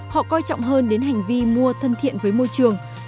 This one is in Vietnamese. họ coi trọng hơn đến hành vi mua thân thiện với môi trường